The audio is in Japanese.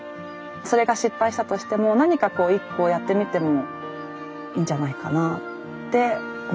それが失敗したとしても何かこう一個やってみてもいいんじゃないかなって思ったのもきっかけですかね。